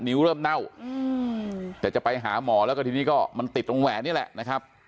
เริ่มเน่าแต่จะไปหาหมอแล้วก็ทีนี้ก็มันติดตรงแหวนนี่แหละนะครับ